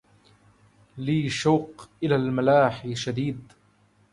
لي شوق إلى الملاح شديد